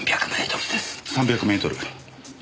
３００メートル。